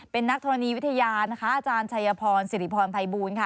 เป็นนักธรรมนีวิทยาลอาจารย์ชัยพรสิริพรไพบูนค่ะ